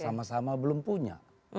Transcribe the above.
sama sama belum punya